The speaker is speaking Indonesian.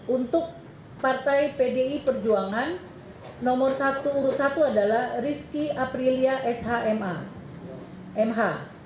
untuk partai pdi perjuangan nomor satu urut satu adalah rizky aprilia sh